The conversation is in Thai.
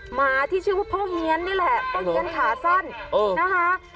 หมาที่ชื่อว่าพ่อเฮียนนี่แหละพ่อเงี้ยนขาสั้นนะคะ